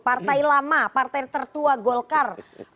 partai lama partai tertua golkar